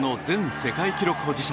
世界記録保持者